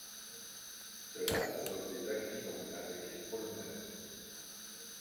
Cela provoque des accidents avec les promeneurs.